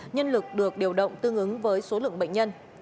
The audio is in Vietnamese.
nhân lực được điều động tương ứng với số lượng bệnh nhân